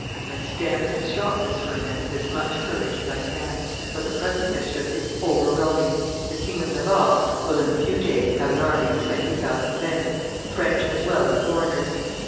I stem and stop this forment with as much courage as I can; but the present mischief is overwhelming; the King of Navarre will in a few days have an army of twenty thousand men, French as well as foreigners.